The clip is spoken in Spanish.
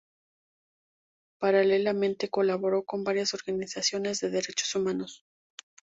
Paralelamente colabora con varias organizaciones de derechos humanos.